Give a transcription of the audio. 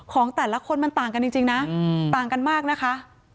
ของแต่ละคนมันต่างกันจริงนะต่างกันมากนะคะ